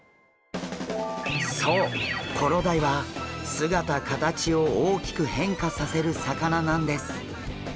そうコロダイは姿形を大きく変化させる魚なんです。